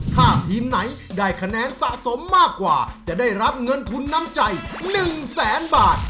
ถ้าทีมไหนได้คะแนนสะสมมากกว่าจะได้รับเงินทุนน้ำใจ๑แสนบาท